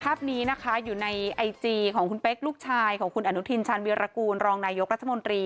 ภาพนี้นะคะอยู่ในไอจีของคุณเป๊กลูกชายของคุณอนุทินชาญวิรากูลรองนายกรัฐมนตรี